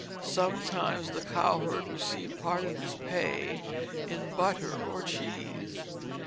Sometimes the cowherd received part of his pay in butter or cheese.